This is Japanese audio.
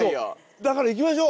だから行きましょう！